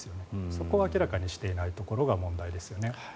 底を明らかにしていないところが問題ですね。